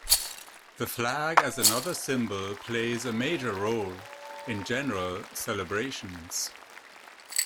The flag as another symbol plays a major role in general celebrations.